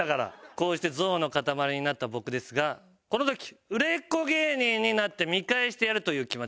こうして憎悪の塊になった僕ですがこの時売れっ子芸人になって見返してやるという気持ちで。